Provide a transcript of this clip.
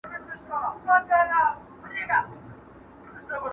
اباسین څپې څپې سو بیا به څه نکلونه راوړي!.